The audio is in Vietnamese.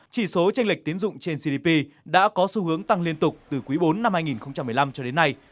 chỉ số tranh lệch tiến dụng trên gdp đã có xu hướng tăng liên tục từ quý bốn năm hai nghìn một mươi năm cho đến nay